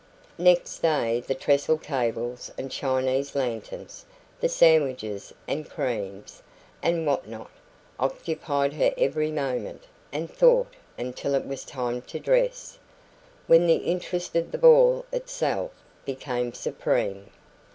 Next day the trestle tables and Chinese lanterns, the sandwiches and creams, and what not, occupied her every moment and thought until it was time to dress, when the interest of the ball itself became supreme.